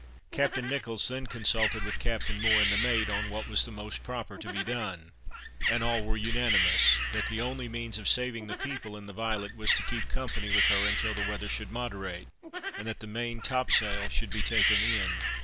Captain Nicholls then consulted with Captain Moore and the mate, on what was most proper to be done, and all were unanimous, that the only means of saving the people in the Violet, was to keep company with her until the weather should moderate, and that the main topsail should be taken in.